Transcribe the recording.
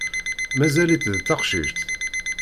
Mazal-itt d taqcict.